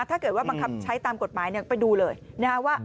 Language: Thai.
ถ้าเกิดว่าบังคับใช้ตามกฎหมายไปดูเลยนะฮะว่า